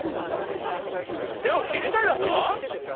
手を切りたいだと？